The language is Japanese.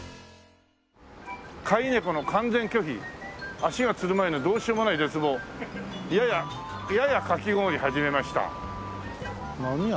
「飼い猫の完全拒否」「足がつる前のどうしようもない絶望」「ややかき氷始めました」何屋？